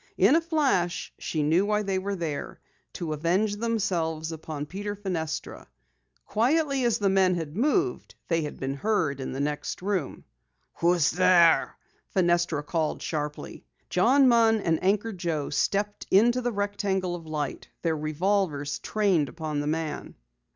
In a flash she knew why they were there to avenge themselves upon Peter Fenestra. Quietly as the men had moved, they had been heard in the next room. "Who's there?" Fenestra called sharply. John Munn and Anchor Joe stepped into the rectangle of light, their revolvers trained upon the man.